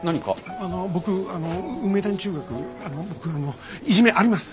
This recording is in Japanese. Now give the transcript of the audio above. あの僕あの梅谷中学あのいじめあります。